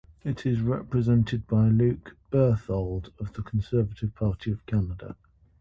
It is represented by Luc Berthold of the Conservative Party of Canada.